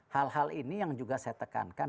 hal hal ini yang juga saya tekankan